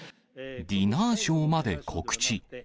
ディナーショーまで告知。